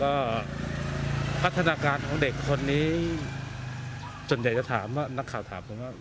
ก็พัฒนาการของเด็กคนนี้ส่วนใหญ่จะถามว่านักข่าวถามผมว่า